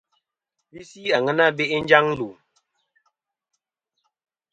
Visi àŋena be'i njaŋ lù.